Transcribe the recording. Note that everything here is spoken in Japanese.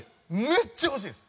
めっちゃ欲しいです！